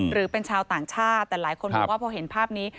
หรือเป็นชาวต่างชาติแต่หลายคนบอกว่าพอเห็นภาพนี้